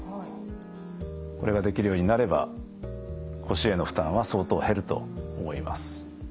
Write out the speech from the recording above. これができるようになれば腰への負担は相当減ると思います。